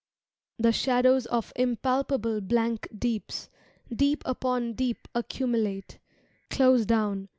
The shadows of impalpable blank deeps— Deep upon deep accumulate— close down.